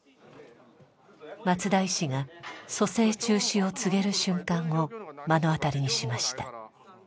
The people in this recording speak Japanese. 松田医師が蘇生中止を告げる瞬間を目の当たりにしました。